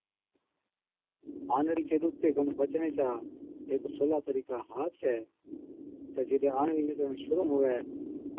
آنڙِي چي ڏُکتي کن بَچڻي چا هيڪ سولا طرِيقا ها ڇَي تہ جِڏ آنڙِي نِڪرڻ شرُوع هُوَي۔